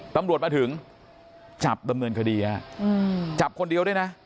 ตำรวจมาถึงจับดำเนินคดีฮะจับคนเดียวด้วยนะ